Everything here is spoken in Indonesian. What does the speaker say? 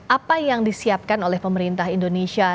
apa yang disiapkan oleh pemerintah indonesia